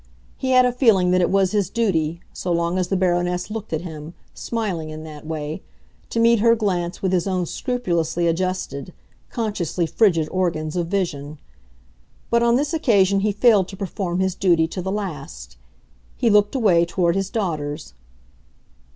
He had a feeling that it was his duty, so long as the Baroness looked at him, smiling in that way, to meet her glance with his own scrupulously adjusted, consciously frigid organs of vision; but on this occasion he failed to perform his duty to the last. He looked away toward his daughters.